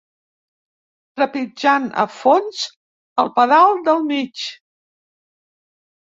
Trepitjant a fons el pedal del mig.